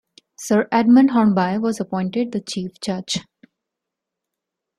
Sir Edmund Hornby was appointed the Chief Judge.